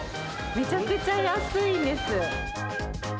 めちゃくちゃ安いんです。